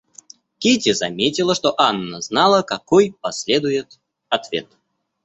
Кити заметила, что Анна знала, какой последует ответ.